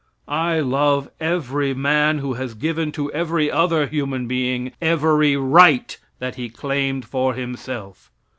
I love every man who has given to every other human being every right that he claimed for himself.